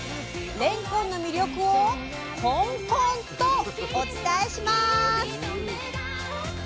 れんこんの魅力をコンコンとお伝えします！